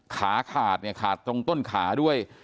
ขาขาดเนี่ยขาดตรงต้นขาด้วย